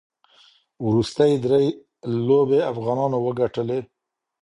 وروستۍ درې لوبې افغانانو وګټلې.